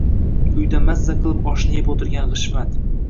Uyda maaazzza qilib oshni yeb o‘tirgan G‘ishmat